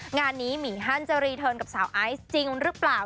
งานนี้หมีฮันจะรีเทิร์นกับสาวไอซ์จริงหรือเปล่า